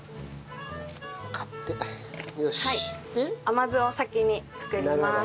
甘酢を先に作ります。